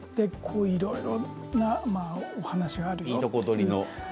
いろんなお話があると。